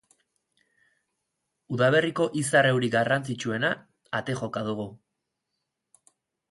Udaberriko izar-euri garrantzitsuena ate joka dugu.